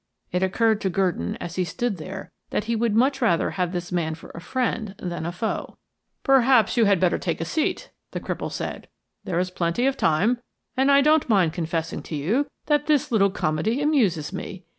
It occurred to Gurdon as he stood there that he would much rather have this man for a friend than a foe. "Perhaps you had better take a seat," the cripple said. "There is plenty of time, and I don't mind confessing to you that this little comedy amuses me.